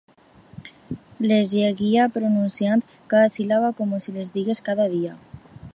Les llegia pronunciant cada síl·laba com si les digués cada dia.